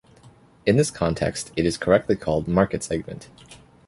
In this context it is correctly called Market segment.